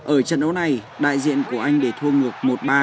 ở trận đấu này đại diện của anh để thua ngược một ba